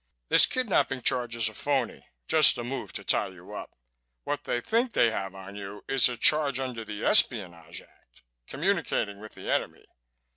This kidnapping charge is a phony. Just a move to tie you up. What they think they have on you is a charge under the Espionage Act, communicating with the enemy.